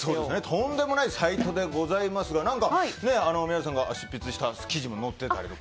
とんでもないサイトでございますが宮司さんが執筆した記事が載っていたり。